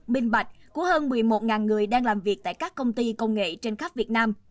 bình bạch của hơn một mươi một người đang làm việc tại các công ty công nghệ trên khắp việt nam